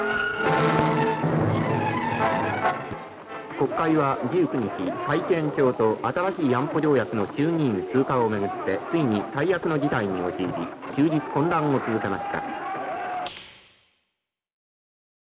「国会は１９日新しい安保条約の衆議院通過をめぐってついに最悪の事態に陥り終日混乱を続けました」。